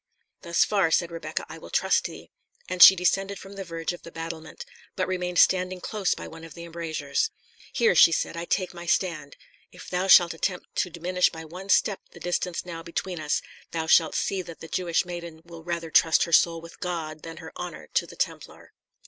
"Thus far," said Rebecca, "I will trust thee;" and she descended from the verge of the battlement, but remained standing close by one of the embrasures. "Here," she said, "I take my stand. If thou shalt attempt to diminish by one step the distance now between us, thou shalt see that the Jewish maiden will rather trust her soul with God than her honour to the Templar."